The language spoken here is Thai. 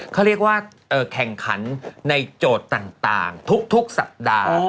เขาเรียกว่าแข่งขันในโจทย์ต่างทุกสัปดาห์